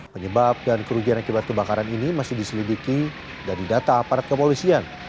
penyebab dan kerugian akibat kebakaran ini masih diselidiki dari data aparat kepolisian